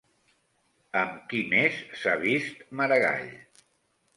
Amb qui més s'ha vist Maragall?